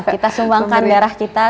kita sumbangkan darah kita